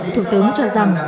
thủ tướng cho rằng